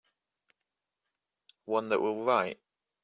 One that will write.